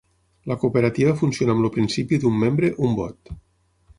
La cooperativa funciona amb el principi d'un membre, un vot.